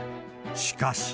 しかし。